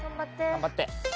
頑張って！